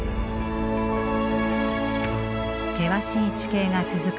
険しい地形が続く